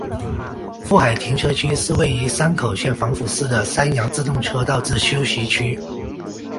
富海停车区是位于山口县防府市的山阳自动车道之休息区。